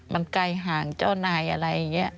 มันไกลห่างเจ้านายอะไรอย่างนี้